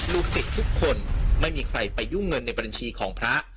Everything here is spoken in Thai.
ลูกศิษย์ทุกคนไม่มีใครไปยุ่งเงินในบัญชีของพระ